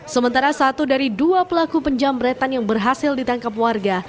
sementara satu dari dua pelaku penjamretan yang berhasil ditangkap warga